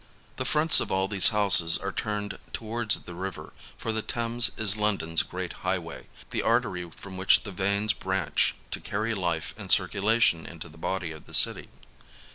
The fronts of all these houses are turned towards the river, for the Thames is London's great highway, the artery from which the veins branch to carry life and circu lation into the body of the city.